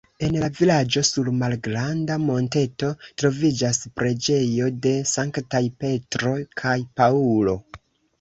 En la vilaĝo sur malgranda monteto troviĝas preĝejo de Sanktaj Petro kaj Paŭlo.